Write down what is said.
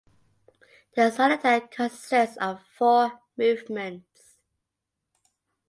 The sonata consists of four movements.